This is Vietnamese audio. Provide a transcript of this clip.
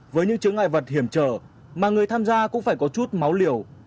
với những chứng ngại vật hiểm trở mà người tham gia cũng phải có chút máu liều